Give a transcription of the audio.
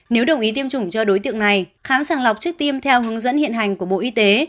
nếu đồng ý tiêm chủng cho đối tượng này khám sàng lọc trước tiêm theo hướng dẫn hiện hành của bộ y tế